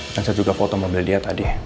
dan saya juga foto mobil dia tadi